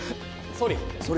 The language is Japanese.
・総理。